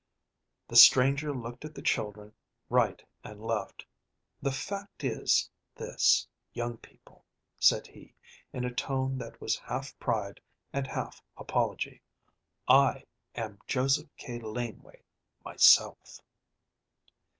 The stranger looked at the children right and left. "The fact is this, young people," said he, in a tone that was half pride and half apology, "I am Joseph K. Laneway myself."